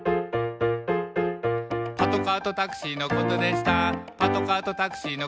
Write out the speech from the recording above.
「パトカーとタクシーのことでした」